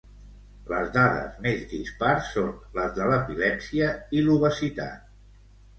Les dades més dispars són les de l'epilèpsia i l'obesitat.